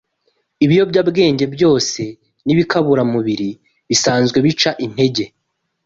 Ibiyobyabwenge byose n’ibikaburamubiri bidasanzwe bica integer